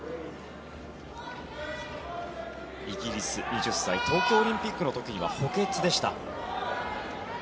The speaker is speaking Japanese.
イギリス、２０歳東京オリンピックの時には補欠でした。